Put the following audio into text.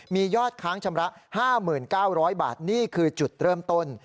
มียอดค้างชำระ๕๙๐๐บาทนี่คือจุดเริ่มต้น